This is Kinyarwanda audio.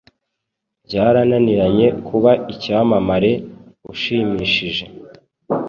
byarananiranye kuba icyamamare ushimishije